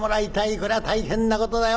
こりゃ大変なことだよ。